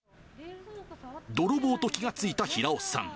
泥棒と気が付いた平尾さん。